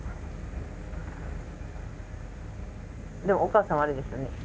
でもお母さんはあれですよね。